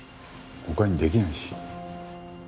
他に出来ないし。